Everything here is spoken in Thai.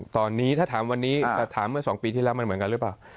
ตอนนี้ถ้าถามวันนี้แต่ถามเมื่อ๒ปีที่แล้วมันเหมือนกันหรือเปล่า